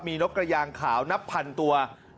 มีนกกระยางขาวนับพันตัว